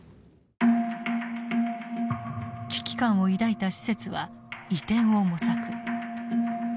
危機感を抱いた施設は移転を模索。